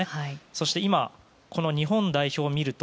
そして今、日本代表を見ると